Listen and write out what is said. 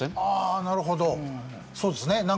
あなるほどそうですね。